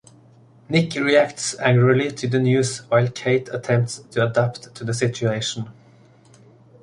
Nick reacts angrily to the news, while Kate attempts to adapt to the situation.